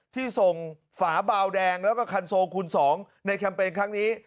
ที่ส่งฝาบาวแดงแล้วก็คันโซคูณ๒ในแคมเปญครั้งนี้